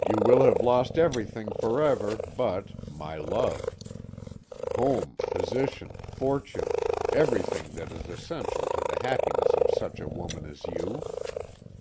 You will have lost everything forever but my love; home, position, fortune, everything that is essential to the happiness of such a woman as you.